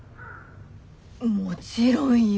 もちろんよ。